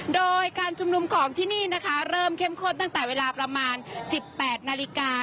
โดยการชุมนุมของที่นี่นะคะเริ่มเข้มข้นตั้งแต่เวลาประมาณ๑๘นาฬิกา